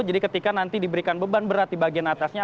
jadi ketika nanti diberikan beban berat di bagian atasnya